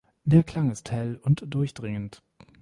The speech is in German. Der Klang ist hell und durchdringend.